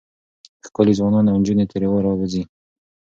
ښکلي ځوانان او نجونې ترې راوځي.